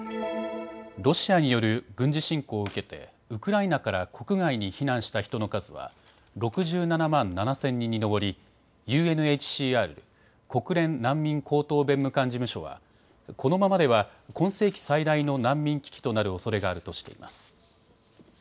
ロシアによる軍事侵攻を受けてウクライナから国外に避難した人の数は６７万７０００人に上りＵＮＨＣＲ・国連難民高等弁務官事務所はこのままでは今世紀最大の難民危機となるおそれがあるとしています。